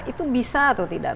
itu bisa atau tidak